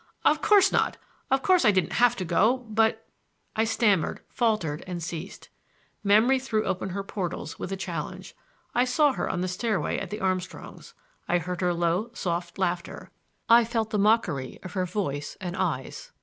"Of course not; of course I didn't have to go, but—" I stammered, faltered and ceased. Memory threw open her portals with a challenge. I saw her on the stairway at the Armstrongs'; I heard her low, soft laughter, I felt the mockery of her voice and eyes!